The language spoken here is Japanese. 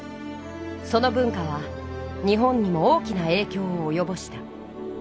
その文化は日本にも大きなえいきょうをおよぼした。